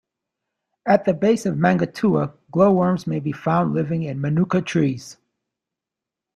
At the base of Maungatua glowworms may be found living in manuka trees.